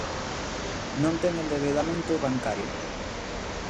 Non ten endebedamento bancario.